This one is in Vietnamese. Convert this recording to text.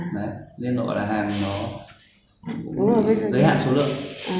đấy nên nó ở đà hàn nó giới hạn số lượng